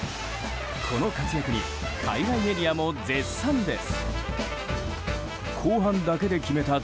この活躍に海外メディアも絶賛です。